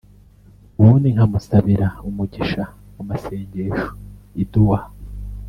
ubundi nkamusabira umugisha mu masengesho(idua)